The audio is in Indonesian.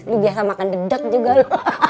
lo biasa makan dedek juga lo